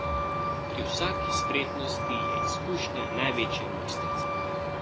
Pri vsaki spretnosti je izkušnja največja mojstrica.